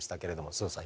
すずさん